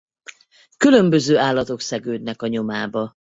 Különböző állatok szegődnek a nyomába.